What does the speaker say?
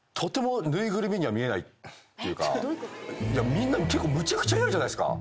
みんな結構むちゃくちゃやるじゃないですか。